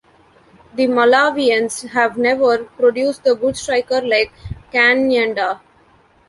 The Malawians have never produce the good striker like Kanyenda.